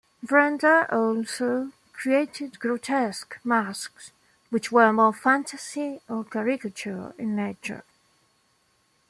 Benda also created "grotesque" masks, which were more fantasy or caricature in nature.